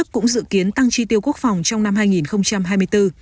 cũng dự kiến tăng chi tiêu quốc phòng trong năm hai nghìn hai mươi bốn